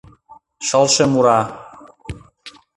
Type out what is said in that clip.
Шылше мура: